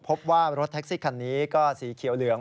พบว่ารถแท็กซี่คันนี้ก็สีเขียวเหลือง